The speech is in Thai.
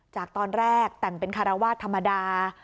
จากตอนแรกแต่งเป็นคารวาสธรรมดา